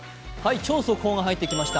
超速報が入ってきました。